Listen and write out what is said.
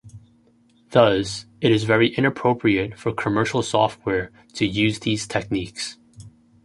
Thus it is very inappropriate for commercial software to use these techniques.